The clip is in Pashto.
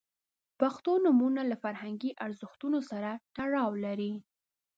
• پښتو نومونه له فرهنګي ارزښتونو سره تړاو لري.